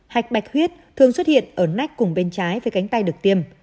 hạch bạch huyết thường xuất hiện ở nách cùng bên trái với cánh tay được tiêm